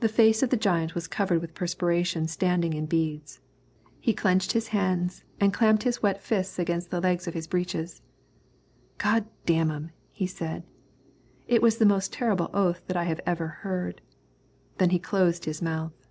The face of the giant was covered with perspiration standing in beads. He clenched his hands and clamped his wet fists against the legs of his breeches. "God damn 'em!" he said. It was the most terrible oath that I have ever heard. Then he closed his mouth.